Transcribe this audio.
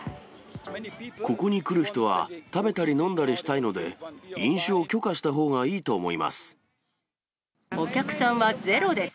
ここに来る人は、食べたり飲んだりしたいので、飲酒を許可したほうがいいと思いお客さんはゼロです。